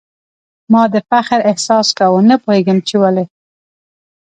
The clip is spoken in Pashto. ما د فخر احساس کاوه ، نه پوهېږم چي ولي ؟